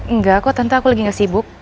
enggak kok tante aku lagi gak sibuk